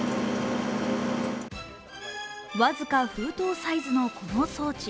僅か封筒サイズのこの装置。